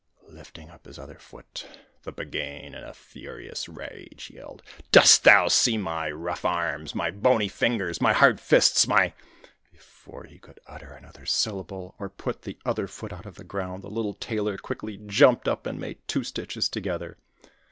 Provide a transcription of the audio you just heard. Lifting up his other foot, the Buggane, in a furious rage, yelled: 'Dost thou see my rough arms, my bony fingers, my hard fists, my ?' Before he could utter another syllable, or pull the other foot out of the ground, the little Tailor quickly jumped up, and made two stitches together.